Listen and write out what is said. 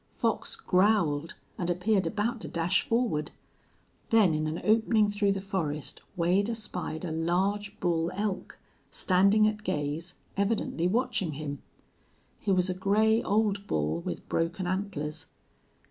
Fox growled, and appeared about to dash forward. Then, in an opening through the forest, Wade espied a large bull elk, standing at gaze, evidently watching him. He was a gray old bull, with broken antlers.